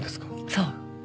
そう。